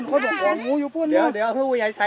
อุดกอดแยกเท้ากัน